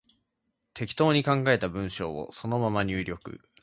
適当に考えた文章をそのまま入力